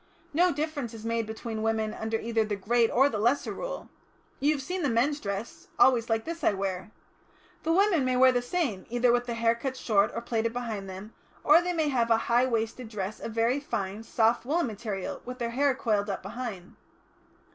No difference is made between women under either the Great or the Lesser Rule. You have seen the men's dress always like this I wear. The women may wear the same, either with the hair cut short or plaited behind them, or they may have a high waisted dress of very fine, soft woollen material, with their hair coiled up behind."